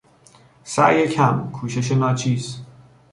سعی کم، کوشش ناچیز